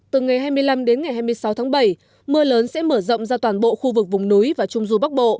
từ ngày hai mươi năm đến ngày hai mươi sáu tháng bảy mưa lớn sẽ mở rộng ra toàn bộ khu vực vùng núi và trung du bắc bộ